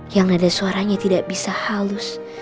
yang ada suaranya tidak bisa halus